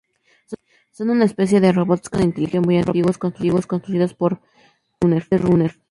Son una especie de robots con inteligencia propia muy antiguos construidas por los Forerunner.